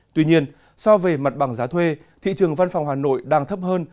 tuy nhiên so với mặt bằng giá thuê thị trường văn phòng hà nội đang thấp hơn